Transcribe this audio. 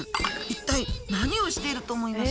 一体何をしていると思いますか？